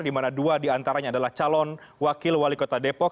dimana dua diantaranya adalah calon wakil wali kota depok